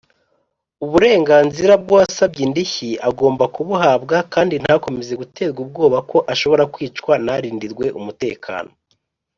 uburenganzira bw’uwasabye indishyi agomba kubuhabwa kandi ntakomeze guterwa ubwoba ko ashobora kwicwa narindirwe umutekano.